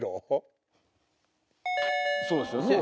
そうですよね